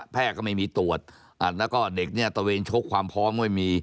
ก็ไม่มีตรวจแล้วก็เด็กเนี่ยตะเวนชกความพร้อมก็มี